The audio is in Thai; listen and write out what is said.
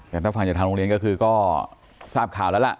แต่ถ้าฟังจากทางโรงเรียนก็คือก็ทราบข่าวแล้วล่ะ